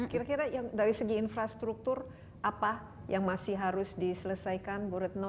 kira kira yang dari segi infrastruktur apa yang masih harus diselesaikan bu retno